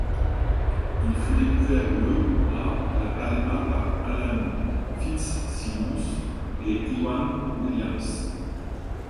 Il fut découvert le à La Palma par Alan Fitzsimmons et Iwan Williams.